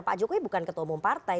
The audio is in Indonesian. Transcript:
pak jokowi bukan ketua umum partai